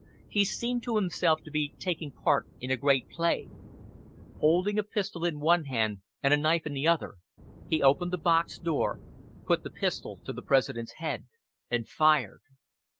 He seemed to himself to be taking part in a great play. Holding a pistol in one hand and a knife in the other, he opened the box door, put the pistol to the President's head, and fired.